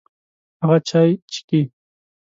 هغه چای چیکي.